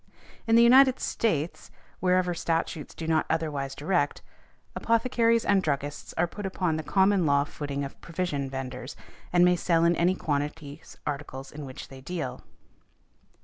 In the United States, wherever statutes do not otherwise direct, apothecaries and druggists are put upon the common law footing of provision vendors, and may sell in any quantities articles in which they deal.